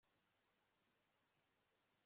yoo! nyamuneka garuka, umusizi mwiza wubufaransa